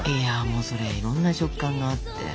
それいろんな食感があって。